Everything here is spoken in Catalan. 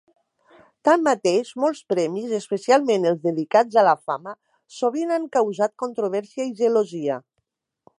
Tanmateix, molts premis, especialment els dedicats a la fama, sovint han causat controvèrsia i gelosia.